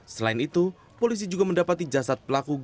selain itu polisi juga mendapati jasad pelaku